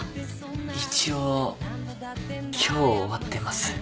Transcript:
一応「今日」終わってます。